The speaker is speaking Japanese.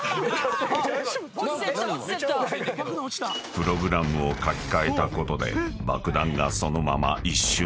［プログラムを書き換えたことで爆弾がそのまま一瞬で落下］